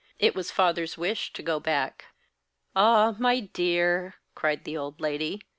It was father's wish to go back." "Ah, my dear!" cried the old lady.